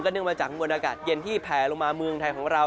เนื่องมาจากมวลอากาศเย็นที่แผลลงมาเมืองไทยของเรา